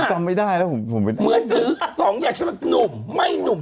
จำไม่ได้แล้วผมเป็นเหมือนถือสองอย่างฉันแบบหนุ่มไม่หนุ่ม